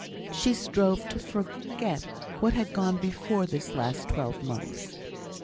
She strove to forget what had gone before this last twelve months.